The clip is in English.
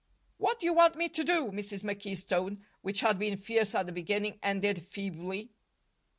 "What do you want me to do?" Mrs. McKee's tone, which had been fierce at the beginning, ended feebly.